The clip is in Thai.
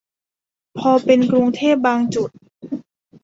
พอเป็นกรุงเทพบางจุด